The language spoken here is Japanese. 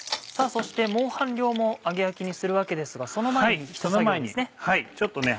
そしてもう半量も揚げ焼きにするわけですがその前にひと作業ですね。